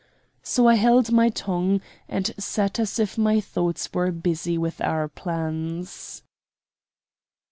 So I held my tongue, and sat as if my thoughts were busy with our plans.